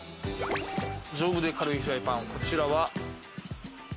丈夫で軽いフライパンこちらは。